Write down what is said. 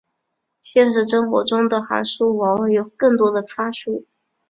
现实中的函数往往有更多的参数。